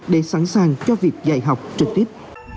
để sẵn sàng cho việc dạy học trực tiếp